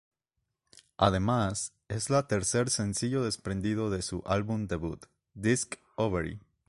Además, es la tercer sencillo desprendido de su álbum debut "Disc-Overy".